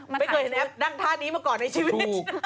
ไม่เคยเห็นแอปนั่งท่านี้มาก่อนในชีวิต